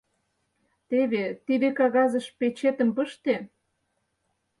Теве, тиде кагазыш печетым пыште.